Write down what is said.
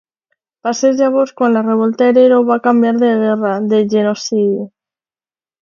Va ser llavors quan la revolta herero va canviar de guerra, de genocidi.